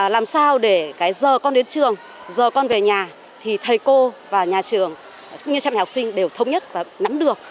làm sao để cái giờ con đến trường giờ con về nhà thì thầy cô và nhà trường cũng như cha mẹ học sinh đều thống nhất và nắm được